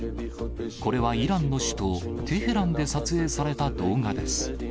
これはイランの首都テヘランで撮影された動画です。